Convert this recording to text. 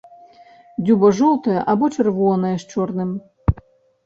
Дзюба жоўтая або чырвоная з чорным.